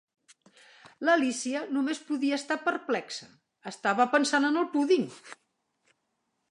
L'Alícia només podia estar perplexa: estava pensant en el púding.